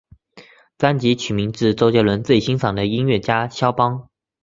专辑取名自周杰伦最欣赏的音乐家萧邦。